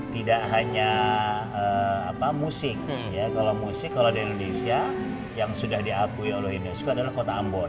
tidak hanya musik kalau musik kalau di indonesia yang sudah diakui oleh unesco adalah kota ambon